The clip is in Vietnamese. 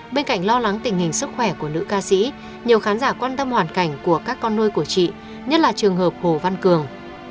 bên cạnh lo lắng tình hình sức khỏe của nữ ca sĩ nhiều khán giả quan tâm hoàn cảnh của các con nuôi của chị nhất là trường hợp hồ văn cường